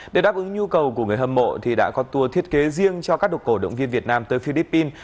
để đáp ứng nhu cầu của người hâm mộ thì đã có tour thiết kế riêng cho các đồ cổ động viên việt nam tới philippines